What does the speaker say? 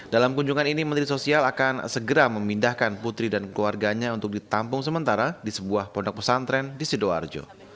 dalam kunjungan ini menteri sosial akan segera memindahkan putri dan keluarganya untuk ditampung sementara di sebuah pondok pesantren di sidoarjo